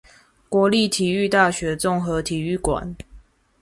國立體育大學綜合體育館